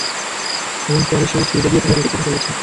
এবং পরে সে ওই ছুরিটা দিয়ে, তার পেট কেটে ফেলেছে।